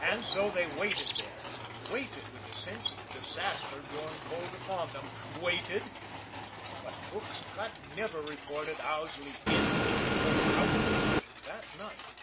And so they waited there, waited with the sense of disaster growing cold upon them waited but Brook's Cut never reported Owsley "in" or "out" that night.